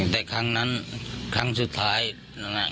แต่ครั้งนั้นครั้งสุดท้ายนะฮะ